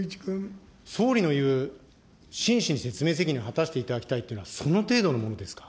総理の言う、真摯に説明責任を果たしていただきたいというのは、その程度のものですか。